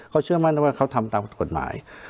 เขาเชื่อมั่นนะว่าเขาทำตามกฎหมาย